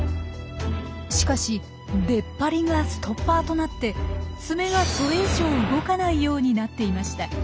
しかし出っ張りがストッパーとなってツメがそれ以上動かないようになっていました。